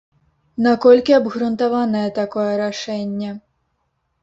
Наколькі абгрунтаванае такое рашэнне?